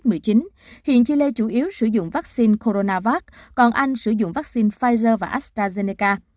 trung quốc chủ yếu sử dụng vaccine coronavac còn anh sử dụng vaccine pfizer và astrazeneca